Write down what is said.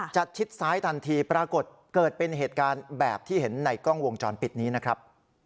ชิดซ้ายทันทีปรากฏเกิดเป็นเหตุการณ์แบบที่เห็นในกล้องวงจรปิดนี้นะครับ